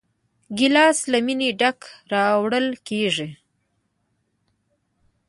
ګیلاس له مینې ډک راوړل کېږي.